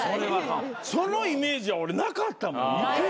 そのイメージは俺なかったもん。